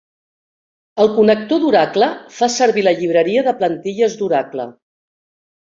El connector d'Oracle fa servir la llibreria de plantilles d'Oracle.